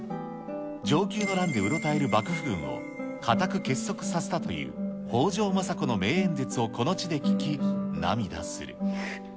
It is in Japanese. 承久の乱でうろたえる幕府軍を、固く結束させたという北条政子の名演説をこの地で聞き、涙する。